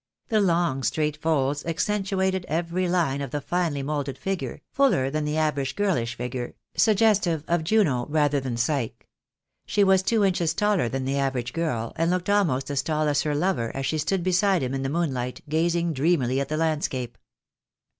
The long straight folds accentuated every line of the finely moulded figure, fuller than the average girlish figure, suggestive of Juno rather than Psyche. She was two inches taller than the average girl, and looked almost as tall as her lover as she stood beside him in the moon light, gazing dreamily at the landscape.